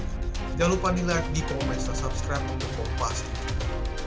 jangan lupa di like di komen dan subscribe untuk kompastv